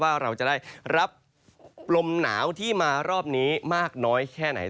ว่าเราจะได้รับลมหนาวที่มารอบนี้มากน้อยแค่ไหน